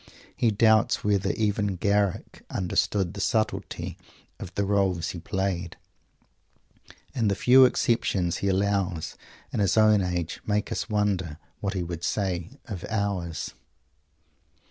He doubts whether even Garrick understood the subtlety of the roles he played, and the few exceptions he allows in his own age make us wonder what he would say of ours.